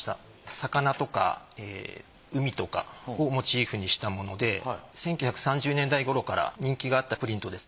魚とか海とかをモチーフにしたもので１９３０年代ごろから人気があったプリントです。